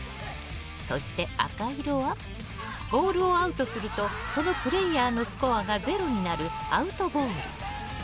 そして、赤色はボールをアウトするとそのプレーヤーのスコアがゼロになるアウトボール。